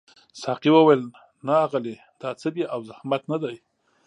ساقي وویل نه اغلې دا څه دي او زحمت نه دی.